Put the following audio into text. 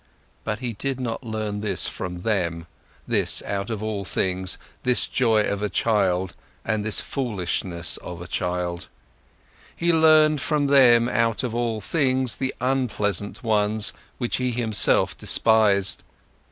But he did not learn this from them, this out of all things, this joy of a child and this foolishness of a child; he learned from them out of all things the unpleasant ones, which he himself despised.